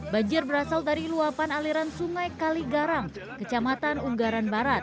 banjir berasal dari luapan aliran sungai kaligarang kecamatan unggaran barat